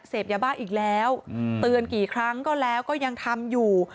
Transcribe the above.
เสพยาบ้าอีกแล้วเตือนกี่ครั้งก็แล้วก็ยังทำอยู่